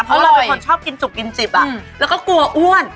เพราะเราเป็นคนชอบกินจุกกินจิบแล้วก็กลัวอ้วน